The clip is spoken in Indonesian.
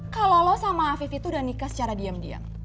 kalau lo sama afif itu udah nikah secara diam diam